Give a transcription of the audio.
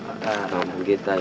kami menggunakan kittai